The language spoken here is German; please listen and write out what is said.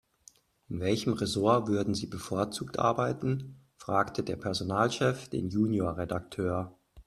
In welchem Ressort würden Sie bevorzugt arbeiten?, fragte der Personalchef den Junior-Redakteur.